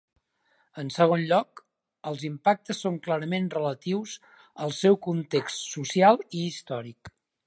En segon lloc, els impactes són clarament relatius al seu context social i històric.